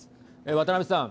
渡辺さん